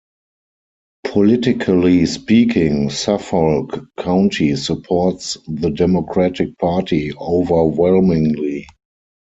Politically speaking, Suffolk County supports the Democratic Party overwhelmingly.